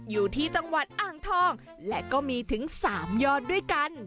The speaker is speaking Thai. อยู่ที่จังหวัดอ่างทองและก็มีถึง๓ยอดด้วยกัน